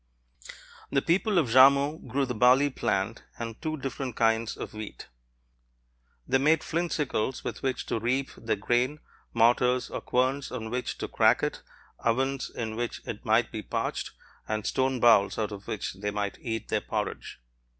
The people of Jarmo grew the barley plant and two different kinds of wheat. They made flint sickles with which to reap their grain, mortars or querns on which to crack it, ovens in which it might be parched, and stone bowls out of which they might eat their porridge.